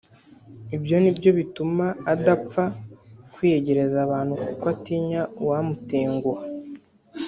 ibyo nibyo bituma adapfa kwiyegereza abantu kuko atinya uwamutenguha